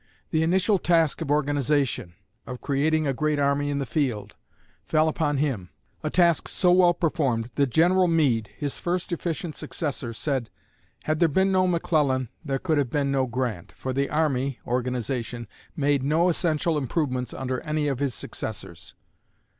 The initial task of organization, of creating a great army in the field, fell upon him a task so well performed that General Meade, his first efficient successor, said, "Had there been no McClellan there could have been no Grant, for the army [organization] made no essential improvements under any of his successors."